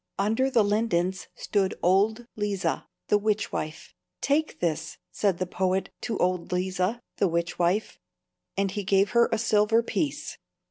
Under the lindens stood old Leeza, the witchwife. "Take this," said the poet to old Leeza, the witchwife; and he gave her a silver piece.